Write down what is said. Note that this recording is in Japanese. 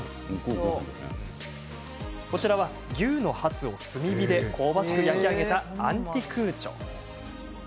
こちらは、牛のハツを炭火で香ばしく焼き上げたアンティクーチョ。